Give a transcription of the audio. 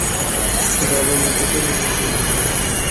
দলনেতা তিনি নিজেই।